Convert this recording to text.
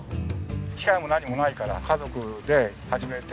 機械も何もないから家族で始めて。